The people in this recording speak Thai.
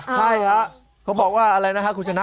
ใช่ครับเขาบอกว่าอะไรนะครับคุณชนะ